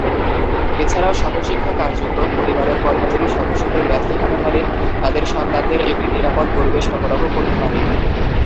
এছাড়াও, সহশিক্ষা কার্যক্রম পরিবারের কর্মজীবী সদস্যদের ব্যস্ত থাকাকালীন তাদের সন্তানদের একটি নিরাপদ পরিবেশ সরবরাহ করতে পারে।